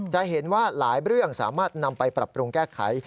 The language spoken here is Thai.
จะเห็นว่าหลายเรื่องสามารถนำไปปรับปรุงแก้ไข